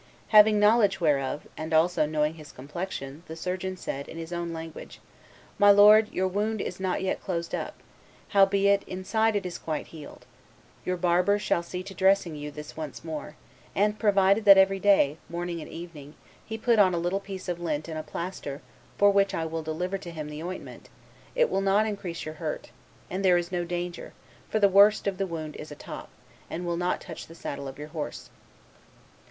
Having knowledge whereof, and also knowing his complexion, the surgeon said, in his own language, 'My lord, your wound is not yet closed up; howbeit, inside it is quite healed. Your barber shall see to dressing you this once more; and provided that every day, morning and evening, he put on a little piece of lint and a plaister for which I will deliver to him the ointment, it will not increase your hurt; and there is no danger, for the worst of the wound is a top, and will not touch the saddle of your horse.